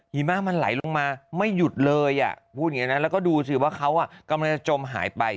หิมะมันไหลลงมาไม่หยุดเลยอ่ะพูดอย่างนี้นะแล้วก็ดูสิว่าเขากำลังจะจมหายไป